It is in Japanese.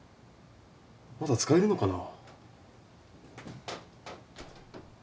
まだ使えるのかな？